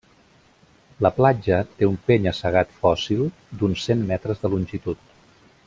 La platja té un penya-segat fòssil d'uns cent metres de longitud.